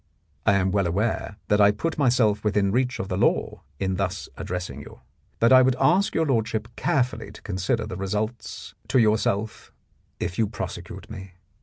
I am well aware that I put myself within reach of the law in thus addressing you, but I would ask your lordship carefully to consider the results to yourself if you prosecute me.